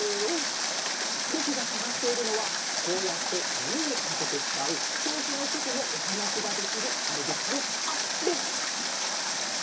ぼくがさがしているのはこうやってみみにあててつかうとおくのひとともおはなしができるあれですよあれ！